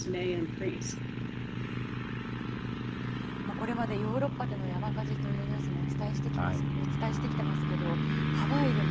これまでヨーロッパでの山火事というニュースもお伝えしてきていますけれどもハワイでも。